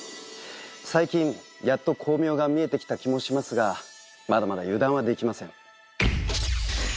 最近やっと光明が見えてきた気もしますがまだまだ油断はできません。